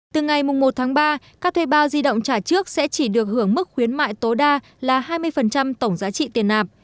từ ngày một tháng ba các thuê bao di động trả trước sẽ chỉ được hưởng mức khuyến mại tối đa là hai mươi tổng giá trị tiền nạp